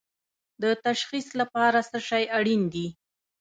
د تشخیص لپاره څه شی اړین دي؟